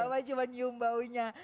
bapak cuma nyum baunya